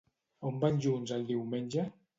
On van junts el diumenge?